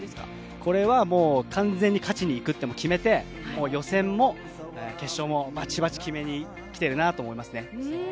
これは完全に勝ちに行くって決めて、予選も決勝もバチバチ決めに来ているなと思います。